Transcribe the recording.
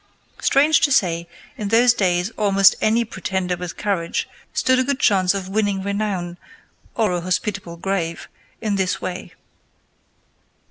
Strange to say, in those days almost any pretender with courage stood a good chance of winning renown or a hospitable grave in this way.